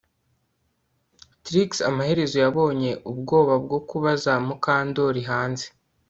Trix amaherezo yabonye ubwoba bwo kubaza Mukandoli hanze